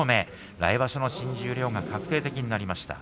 来場所の新十両が確定的になりました。